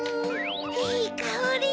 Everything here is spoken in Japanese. いいかおり！